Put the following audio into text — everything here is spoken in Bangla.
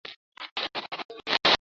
ছেলেরা বিস্মিত হইয়া চুপ করিল।